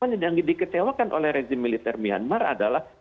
yang dikecewakan oleh rezim militer myanmar adalah